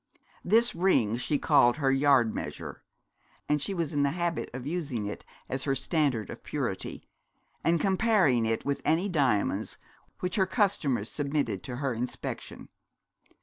This ring she called her yard measure; and she was in the habit of using it as her Standard of purity, and comparing it with any diamonds which her customers submitted to her inspection.